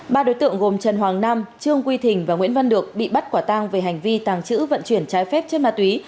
ba đối tượng gồm trần hoàng nam trương quy thình và nguyễn văn được bị bắt quả tang về hành vi tàng trữ vận chuyển trái phép trên ma túy